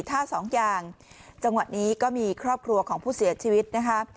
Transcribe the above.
ท่าสองอย่างจังหวะนี้ก็มีครอบครัวของผู้เสียชีวิตนะคะ